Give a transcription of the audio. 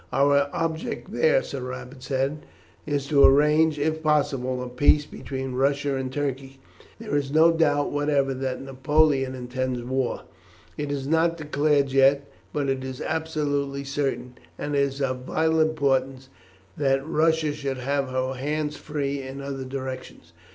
"Our object there," Sir Robert said, "is to arrange, if possible, a peace between Russia and Turkey. There is no doubt whatever that Napoleon intends war. It is not declared yet, but it is absolutely certain, and it is of vital importance that Russia should have her hands free in other directions.